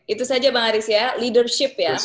itu saja bang aris ya leadership ya